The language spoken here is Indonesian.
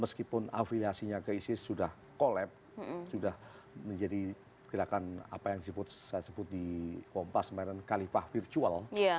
meskipun afiliasinya ke isis sudah kolab sudah menjadi gerakan apa yang saya sebut di kompas kemarin kalifah virtual